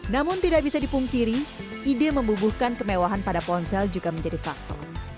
namun tidak bisa dipungkiri ide membubuhkan kemewahan pada ponsel juga menjadi faktor